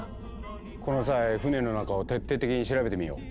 この際船の中を徹底的に調べてみよう。